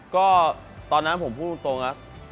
ก็ตอนนั้นผมพูดตรงครับ